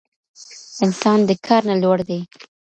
انسان د کار نه لوړ دی.